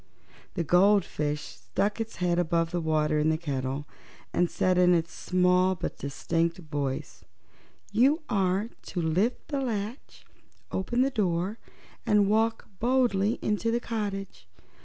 The goldfish stuck its head above the water in the kettle and said in its small but distinct voice: "You are to lift the latch, open the door, and walk boldly into the cottage.